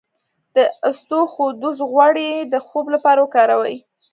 د اسطوخودوس غوړي د خوب لپاره وکاروئ